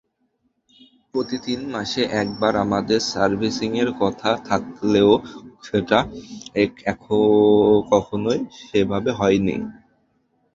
প্রতি তিন মাসে একবার আমাদের সার্ভিসিংয়ের কথা থাকলেও সেটা কখনোই সেভাবে হয়নি।